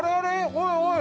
おいおい。